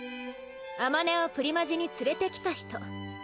あまねをプリマジに連れてきた人。